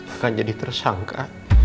akan jadi tersangka